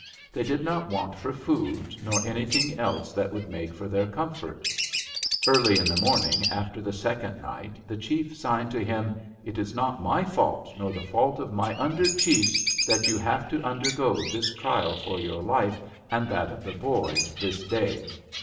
They did not want for food, nor anything else that would make for their comfort. Early in the morning after the second night, the chief signed to him: 'It is not my fault, nor the fault of my under chiefs, that you have to undergo this trial for your life and that of the boy this day.